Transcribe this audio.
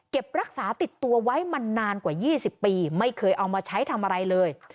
รักษาติดตัวไว้มานานกว่า๒๐ปีไม่เคยเอามาใช้ทำอะไรเลย